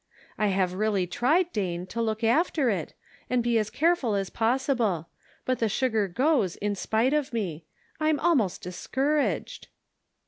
I have really tried Dane, to look after it, and be as care ful as possible; but the sugar goes in spite of me. I'm almost discouraged."